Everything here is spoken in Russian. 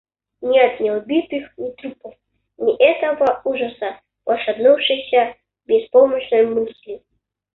Нет ни убитых, ни трупов, ни этого ужаса пошатнувшейся беспомощной мысли.